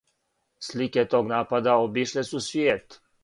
Слике тог напада обишле су свијет.